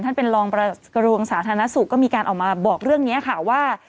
ท่านเป็นรองกระทรวงสาธารณสุขก็มีการออกมาบอกเรื่องนี้ค่ะว่า